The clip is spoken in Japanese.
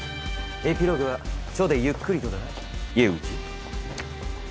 エピローグは署でゆっくりとだなユージ。